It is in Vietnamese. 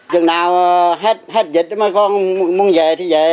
chừng nào hết dịch mới có muốn về thì về